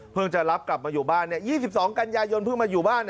จะรับกลับมาอยู่บ้าน๒๒กันยายนเพิ่งมาอยู่บ้าน